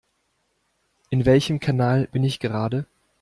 In welchem Kanal bin ich gerade?